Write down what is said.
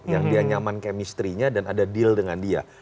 yang dia nyaman kemistrinya dan ada deal dengan dia